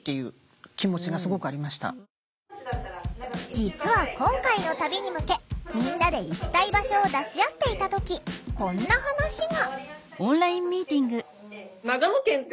実は今回の旅に向けみんなで行きたい場所を出し合っていた時こんな話が。